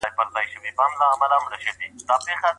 خاوند چيرته کولای سي بله نکاح وکړي؟